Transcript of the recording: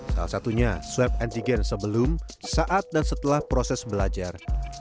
salah satunya swab antigen sebelum saat dan setelah proses belajar